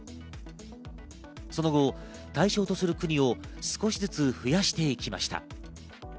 その後、対象とする国を少しずつ増やしていきました。